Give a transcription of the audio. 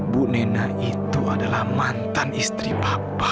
bu nena itu adalah mantan istri bapak